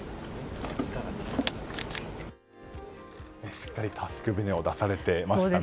しっかり助け舟を出されてましたね。